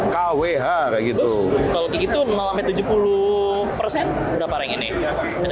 kalau kayak gitu tujuh puluh udah parah ya nih